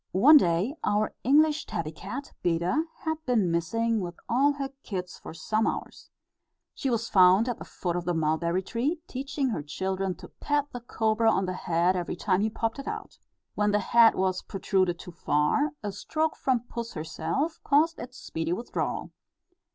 One day our English tabby cat, Beda, had been missing with all her kits for some hours. She was found at the foot of the mulberry tree, teaching her children to pat the cobra on the head, every time he popped it out. When the head was protruded too far, a stroke from puss herself, caused its speedy withdrawal.